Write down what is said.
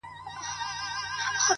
شېرينې ستا په تصور کي چي تصوير ورک دی”